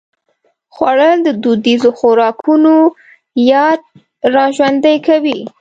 خوړل د دودیزو خوراکونو یاد راژوندي کوي